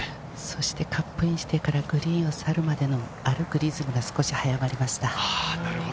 カップインしてからグリーンを去るまでの歩くリズムが少し早まりました。